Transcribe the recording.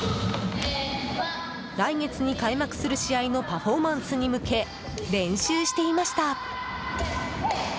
来月に開幕する試合のパフォーマンスに向け練習していました。